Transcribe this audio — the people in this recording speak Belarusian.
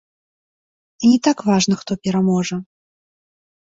І не так важна, хто пераможа.